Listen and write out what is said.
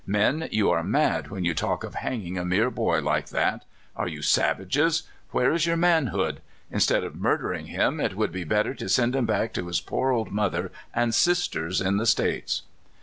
*' Men, you are mad when you talk of hanging a mere boy like that. Are you savages? Where is your man hood? Instead of murdering him, it would be better to send him back to his poor old mother and sisters in the States."